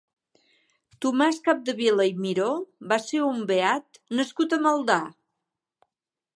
Tomàs Capdevila i Miró va ser un beat nascut a Maldà.